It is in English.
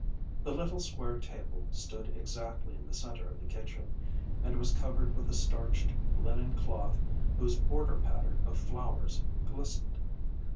The little square table stood exactly in the centre of the kitchen, and was covered with a starched linen cloth whose border pattern of flowers glistened.